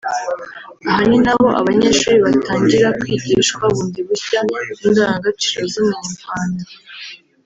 Aha ni na ho abanyeshuri batangira kwigishwa bundi bushya indangagaciro z’Umunyarwanda